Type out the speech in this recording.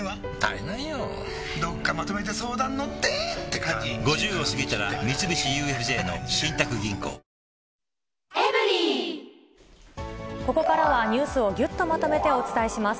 いいじゃないだってここからはニュースをぎゅっとまとめてお伝えします。